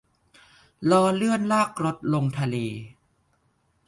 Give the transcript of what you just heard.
ล้อเลื่อนลากรถลงทะเล